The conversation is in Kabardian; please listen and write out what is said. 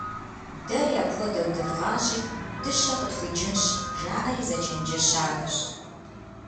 «Дэри абы хуэдэу дывгъащӀи дыщэ къытхуикӀынщ» - жаӀэри зэчэнджэщахэщ.